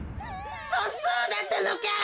そそうだったのか！